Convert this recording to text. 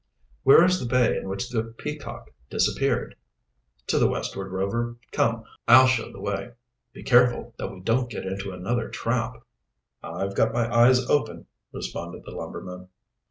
"Where is the bay in which the Peacock disappeared?" "To the westward, Rover. Come, I'll show the way." "Be careful that we don't get into another trap." "I've got my eyes open," responded the lumberman.